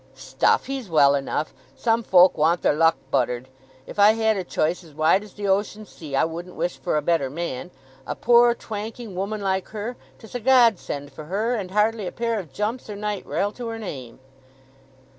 "Stuff—he's well enough! Some folk want their luck buttered. If I had a choice as wide as the ocean sea I wouldn't wish for a better man. A poor twanking woman like her—'tis a godsend for her, and hardly a pair of jumps or night rail to her name."